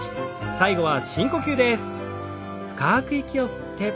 最後は深呼吸です。